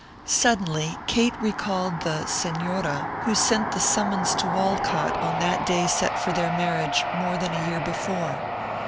Suddenly Kate recalled the "Señora" who sent the summons to Walcott on that day set for their marriage, more than a year before.